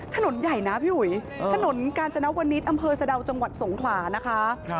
ถนนใหญ่นะพี่อุ๋ยถนนกาญจนวนิษฐ์อำเภอสะดาวจังหวัดสงขลานะคะ